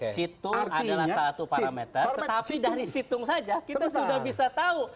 situng adalah satu parameter tetapi dari situng saja kita sudah bisa tahu